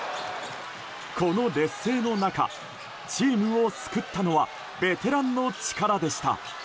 この劣勢の中チームを救ったのはベテランの力でした。